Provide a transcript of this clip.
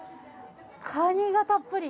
かにがたっぷり。